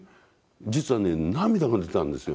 実はね涙が出たんですよ。